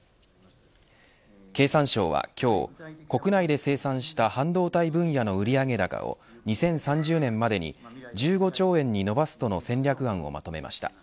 経産省は、今日国内で生産した半導体分野の売上高を２０３０年までに１５兆円に伸ばすとの戦略案をまとめました。